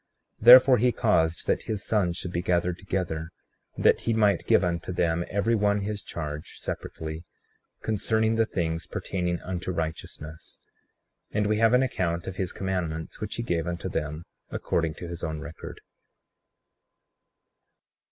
35:16 Therefore, he caused that his sons should be gathered together, that he might give unto them every one his charge, separately, concerning the things pertaining unto righteousness. And we have an account of his commandments, which he gave unto them according to his own record.